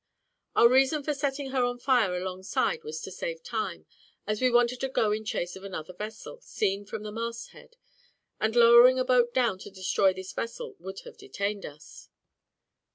Our reason for setting her on fire alongside was to save time, as we wanted to go in chase of another vessel, seen from the mast head, and lowering a boat down to destroy this vessel would have detained us.